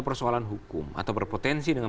persoalan hukum atau berpotensi dengan